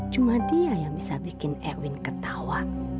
cuma dia yang bisa bikin erwin ketawa